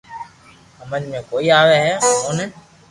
ھمج ۾ ڪوئي آوي ھي اموني